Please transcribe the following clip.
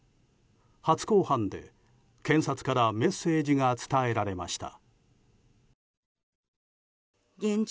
初公判で、検察からメッセージが伝えられました。